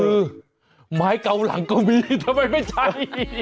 คือไม้เก่าหลังก็มีทำไมไม่ใช้